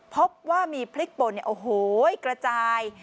พบว่ามีพลิกปนเนี่ยโอ้โหอิกระจาย